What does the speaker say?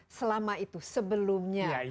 apa yang selama itu sebelumnya